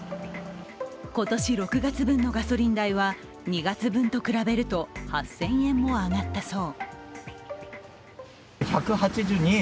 今年６月分のガソリン代は、２月分と比べると８０００円も上がったそう。